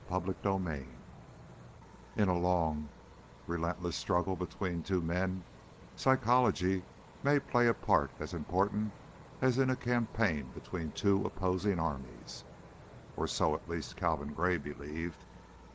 CHAPTER XXIII In a long, relentless struggle between two men psychology may play a part as important as in a campaign between two opposing armies, or so at least Calvin Gray believed.